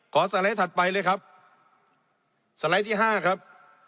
สไลด์ถัดไปเลยครับสไลด์ที่ห้าครับ